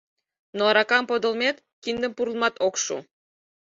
Но аракам подылмет, киндым пурлмат ок шу.